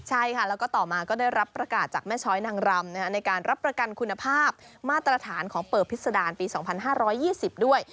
ใช่ค่ะแล้วก็ต่อมาก็ได้รับประกาศจากแม่ช้อยนางรำในการรับประกันคุณภาพมาตรฐานของเปิบพิษดารปี๒๕๒๐ด้วย